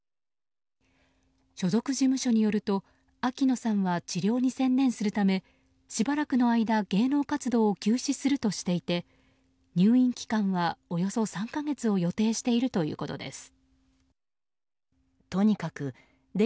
所属事務所によると秋野さんは治療に専念するためしばらくの間芸能活動を休止するとしていて入院期間はおよそ３か月を予定しているということです。